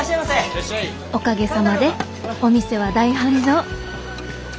「おかげさまでお店は大繁盛。